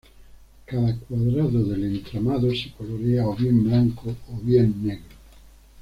Cada cuadrado del entramado se colorea o bien blanco o bien negro.